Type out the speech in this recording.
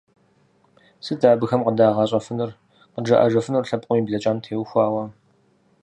Сыт дэ абыхэм къыдагъэщӀэфэнур, къыджаӀэжыфынур лъэпкъым и блэкӀам теухуауэ?